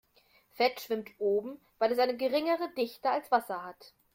Fett schwimmt oben, weil es eine geringere Dichte als Wasser hat.